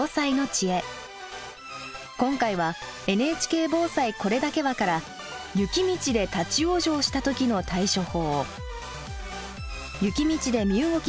今回は「ＮＨＫ防災これだけは」から雪道で立往生した時の対処法。